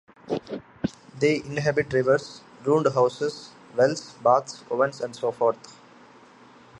They inhabit rivers, ruined houses, wells, baths, ovens, and so forth.